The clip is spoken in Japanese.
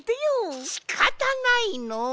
しかたないのう。